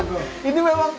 oh enggak enggak enggak